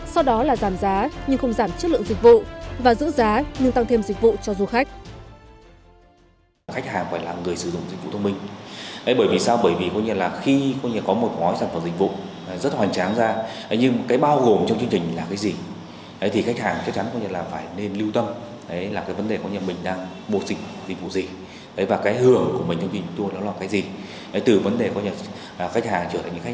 sau đó là giảm giá nhưng không giảm chất lượng dịch vụ và giữ giá nhưng tăng thêm dịch vụ cho du khách